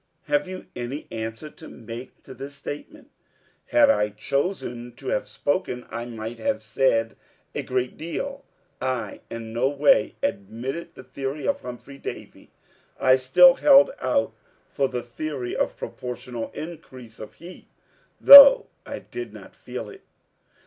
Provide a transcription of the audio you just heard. Have you any answer to make to this statement?" Had I chosen to have spoken, I might have said a great deal. I in no way admitted the theory of Humphry Davy I still held out for the theory of proportional increase of heat, though I did not feel it.